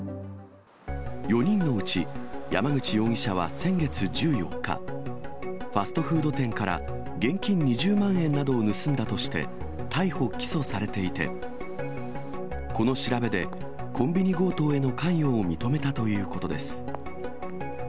４人のうち、山口容疑者は先月１４日、ファストフード店から現金２０万円などを盗んだとして逮捕・起訴されていて、この調べで、コンビニ強盗への関与を認めたということです。